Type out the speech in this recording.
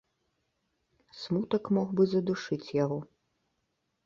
Смутак мог бы задушыць яго.